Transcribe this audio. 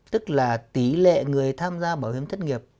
tức là tỷ lệ người tham gia bảo hiểm thất nghiệp